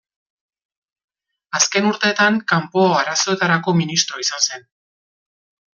Azken urteetan Kanpo Arazoetarako ministro izan zen.